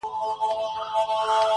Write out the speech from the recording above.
دا پېغلتوب مي په غم زوړکې.!